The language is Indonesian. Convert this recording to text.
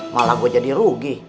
malah gue jadi rugi